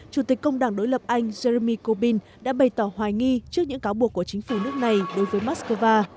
chủ tịch công đảng đối lập anh jerumy corbyn đã bày tỏ hoài nghi trước những cáo buộc của chính phủ nước này đối với moscow